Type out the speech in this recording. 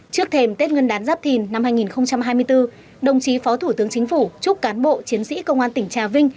trước thềm tết ngân đán giáp thìn năm hai nghìn hai mươi bốn đồng chí phó thủ tướng chính phủ chúc cán bộ chiến sĩ công an tỉnh trà vinh